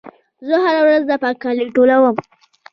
زه هره ورځ د پاک کالي لټوم.